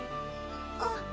あっ。